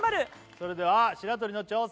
それでは白鳥の挑戦